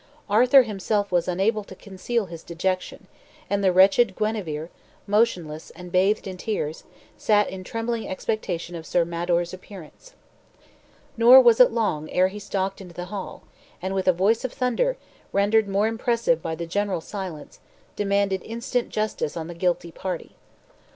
Arthur himself was unable to conceal his dejection, and the wretched Guenever, motionless and bathed in tears, sat in trembling expectation of Sir Mador's appearance. Nor was it long ere he stalked into the hall, and with a voice of thunder, rendered more impressive by the general silence, demanded instant justice on the guilty party.